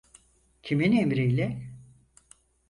Kimin emriyle?